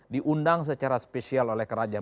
diundang secara spesial oleh kerajaan